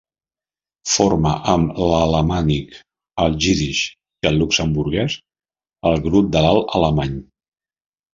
Forma amb l'alamànic, el jiddisch i el luxemburguès el grup de l'alt alemany.